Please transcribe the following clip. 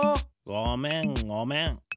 ごめんごめん。